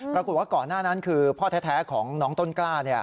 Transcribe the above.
ปรากฏว่าก่อนหน้านั้นคือพ่อแท้ของน้องต้นกล้า